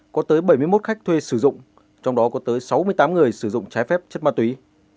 có tới bảy mươi một khách thuê sử dụng trong đó có tới sáu mươi tám người sử dụng trái phép chất ma túy